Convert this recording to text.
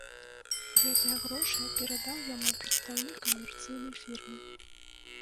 Гэтыя грошы перадаў яму прадстаўнік камерцыйнай фірмы.